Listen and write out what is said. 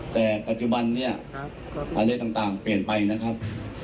แต่ปัจจุบันเนี่ยอะไรต่างเปลี่ยนไปนะครับ